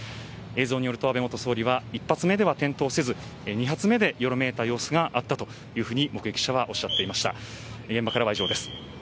映像によると、安倍元総理は１発目では転倒せず２発目でよろめいた様子があったと目撃者はおっしゃっていました。